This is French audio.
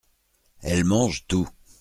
Elle mange tout.